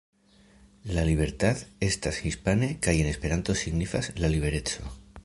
La Libertad estas hispane kaj en Esperanto signifas "La libereco".